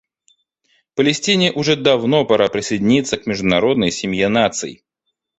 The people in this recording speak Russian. Палестине уже давно пора присоединиться к международной семье наций.